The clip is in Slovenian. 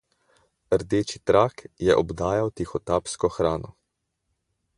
Rdeči trak je obdajal tihotapsko hrano.